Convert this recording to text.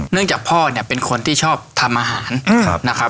เนื่องจากพ่อเนี้ยเป็นคนที่ชอบทำอาหารครับเ฻่มนะครับ